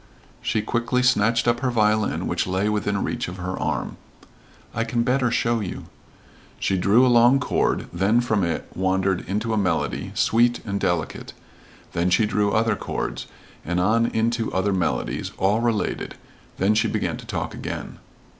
She quickly snatched up her violin which lay within reach of her arm. "I can better show you." She drew a long chord, then from it wandered into a melody, sweet and delicate; then she drew other chords, and on into other melodies, all related; then she began to talk again.